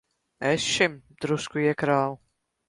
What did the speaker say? Es šim drusku iekrāvu.